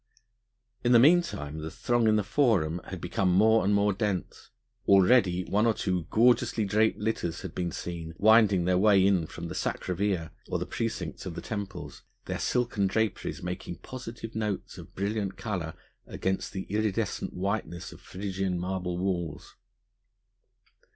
In the meanwhile the throng in the Forum had become more and more dense. Already one or two gorgeously draped litters had been seen winding their way in from the Sacra Via or the precincts of the temples, their silken draperies making positive notes of brilliant colour against the iridescent whiteness of Phrygian marble walls.